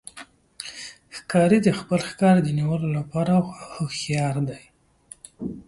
ښکاري د خپل ښکار د نیولو لپاره هوښیار دی.